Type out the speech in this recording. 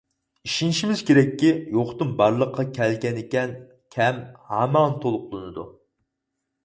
ئىشىنىشىمىز كېرەككى، يوقتىن بارلىققا كەلگەنىكەن كەم ھامان تولۇقلىنىدۇ.